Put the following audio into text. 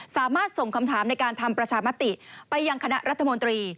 สามารถส่งคำถามในการทำประชามติไปยังคณะรัฐมนตรี